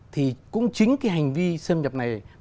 thì cũng chính cái hành vi xâm nhập này